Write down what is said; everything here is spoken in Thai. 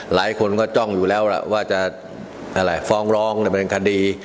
หลายคนก็จ้องอยู่แล้วว่าจะอะไรฟ้องร้องในบริการดี